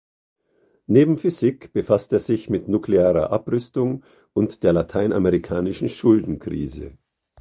Neben Physik befasst er sich mit nuklearer Abrüstung und der lateinamerikanischen Schuldenkrise.